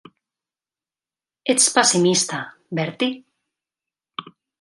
Ets pessimista, Bertie?